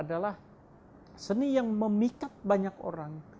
adalah seni yang memikat banyak orang